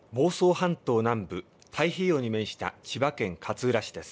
半島南部、太平洋に面した千葉県勝浦市です。